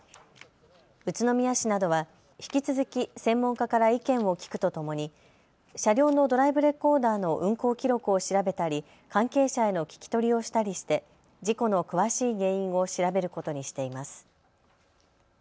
宇都宮市などは引き続き専門家から意見を聞くとともに車両のドライブレコーダーの運行記録を調べたり関係者への聞き取りをしたりして事故の詳しい原因を調べることにしています。